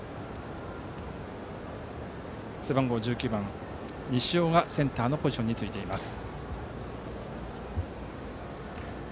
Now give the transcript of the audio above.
背番号１９番、西尾がセンターのポジションについています。